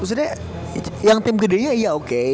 maksudnya yang tim gedenya iya oke